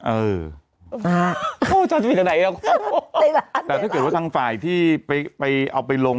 เอออ่าจะไปไหนแล้วแต่ถ้าเกิดว่าทางฝ่ายที่ไปไปเอาไปลง